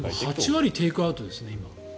８割テイクアウトですね